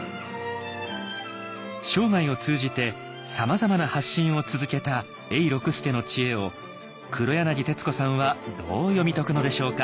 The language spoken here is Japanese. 生涯を通じてさまざまな発信を続けた永六輔の知恵を黒柳徹子さんはどう読み解くのでしょうか。